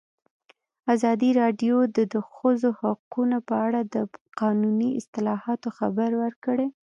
ازادي راډیو د د ښځو حقونه په اړه د قانوني اصلاحاتو خبر ورکړی.